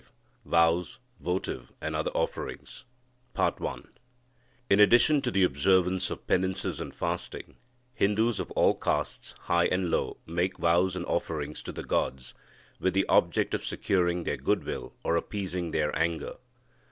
V VOWS, VOTIVE AND OTHER OFFERINGS In addition to the observance of penances and fasting, Hindus of all castes, high and low, make vows and offerings to the gods, with the object of securing their good will or appeasing their anger.